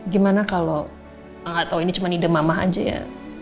gimana kalau nggak tahu ini cuma ide mama aja ya